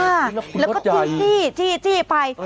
แล้วก็จี้ไป